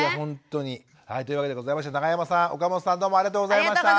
というわけでございまして永山さん岡本さんどうもありがとうございました。